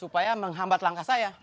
supaya menghambat langkah saya